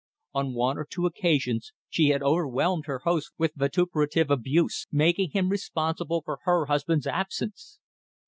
On one or two occasions she had overwhelmed her host with vituperative abuse, making him responsible for her husband's absence.